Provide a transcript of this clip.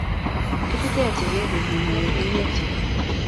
Kitete acheke betutnyo ya king'etye